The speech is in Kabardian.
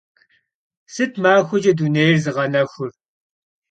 Sıt maxueç'e dunêyr zığenexur?